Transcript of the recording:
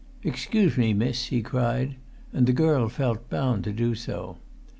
"Excuse me, miss," he cried, and the girl felt bound to do so.